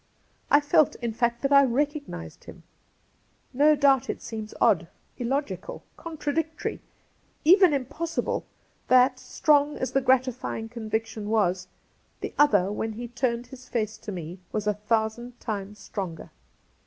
I felt, in fact, that I recognised him. No doubt it seems odd, illogical, contradictory, even impossible, that, strong as the gratifying conviction was, the other, when he turned his face to me, was a thousand times stronger.